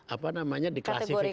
apa namanya diklasifikasi